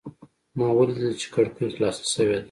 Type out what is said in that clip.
ما ولیدل چې کړکۍ خلاصه شوې ده.